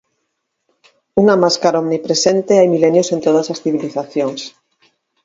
Unha máscara omnipresente hai milenios en todas as civilizacións.